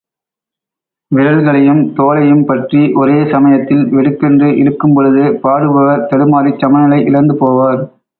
விரல்களையும் தோளையும் பற்றி ஒரே சமயத்தில் வெடுக்கென்று இழுக்கும்பொழுது, பாடுபவர் தடுமாறி சமநிலை இழந்து போவார்.